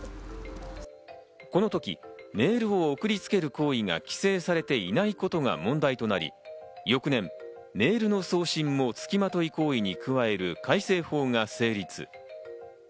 この時、メールを送りつける行為が規制されていないことが問題となり、翌年、メールの送信もつきまとい行為に加える改正法が成立。